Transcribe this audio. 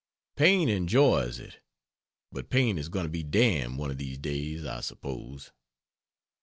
Paine enjoys it, but Paine is going to be damned one of these days, I suppose.